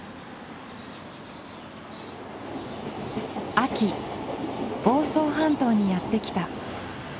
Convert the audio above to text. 秋房総半島にやって来た。